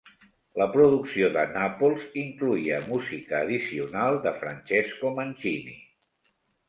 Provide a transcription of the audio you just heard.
La producció de Nàpols incloïa música addicional de Francesco Mancini.